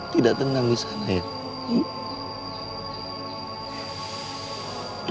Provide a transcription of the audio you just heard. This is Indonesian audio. tidak tenang di sana ya